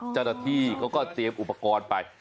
จันนาธิกูภัยเขาก็เตรียมอุปกรณ์ไป